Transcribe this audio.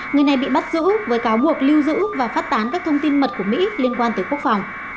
người này bị bắt giữ với cáo buộc lưu giữ và phát tán các thông tin mật của mỹ liên quan tới quốc phòng